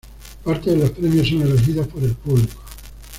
Parte de los premios son elegidos por el público.